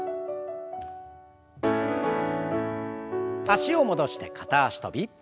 脚を戻して片脚跳び。